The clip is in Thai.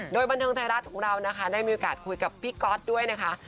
โดยบันเทิงไทยรัฐของเรานะคะได้มีโอกาสคุยกับพี่ก๊อตด้วยนะคะ